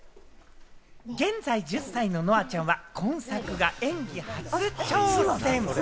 現在１０歳の乃愛ちゃんは今作が演技初挑戦。